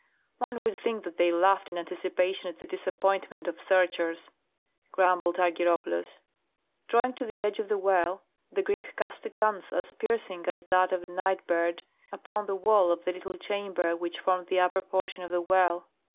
One would think that they laughed in anticipation at the disappointment of searchers," grumbled Argyropoulos. Drawing to the edge of the well, the Greek cast a glance, as piercing as that of a night bird, upon the wall of the little chamber which formed the upper portion of the well.